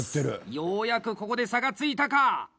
ようやくここで差がついたか！